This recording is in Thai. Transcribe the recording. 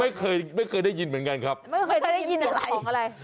ไม่เคยไม่เคยได้ยินเหมือนกันครับไม่เคยได้ยินอะไรของอะไร